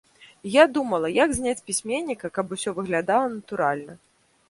І я думала, як зняць пісьменніка, каб усё выглядала натуральна.